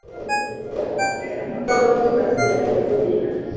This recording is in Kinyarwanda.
Tugomba gukemura amakimbirane mu bwumvikane